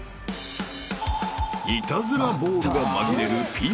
［イタズラボールが紛れるＰＫ対決］